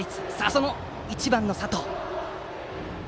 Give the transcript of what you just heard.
その１番の佐藤の打席。